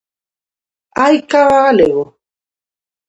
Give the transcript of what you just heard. Hai cava galego?